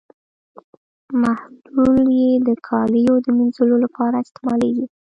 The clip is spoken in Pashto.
محلول یې د کالیو د مینځلو لپاره استعمالیږي.